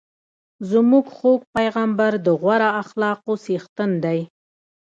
زموږ خوږ پیغمبر د غوره اخلاقو څښتن دی.